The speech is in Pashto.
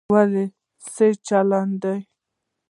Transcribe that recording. وايه سه چل دې.